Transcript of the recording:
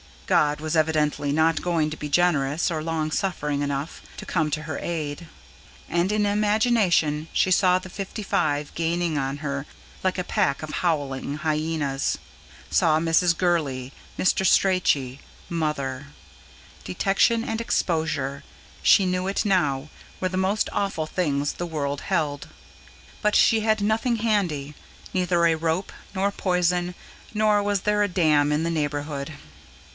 God was evidently not going to be generous or long suffering enough to come to her aid; and in imagination she saw the fifty five gaining on her like a pack of howling hyaenas; saw Mrs. Gurley, Mr. Strachey Mother. Detection and exposure, she knew it now, were the most awful things the world held. But she had nothing handy: neither a rope, nor poison, nor was there a dam in the neighbourhood.